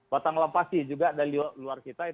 batang lampasi juga dari luar kita